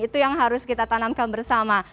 itu yang harus kita tanamkan bersama